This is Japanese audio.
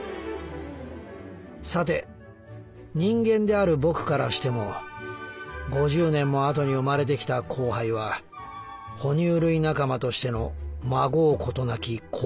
「さて人間である僕からしても５０年もあとに生まれてきたコウハイは哺乳類仲間としてのまごうことなき後輩である。